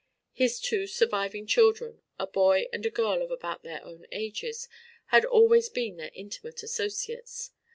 His two surviving children, a boy and a girl of about their own ages, had always been their intimate associates.